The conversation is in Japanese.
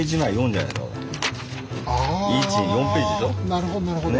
なるほどなるほど。